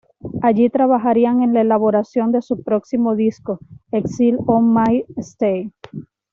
Allí trabajarían en la elaboración de su próximo disco, "Exile On Main St.